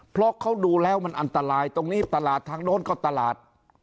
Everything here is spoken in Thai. เพราะเขาดูแล้วมันอันตรายตรงนี้ตลาดทางโน้นก็ตลาด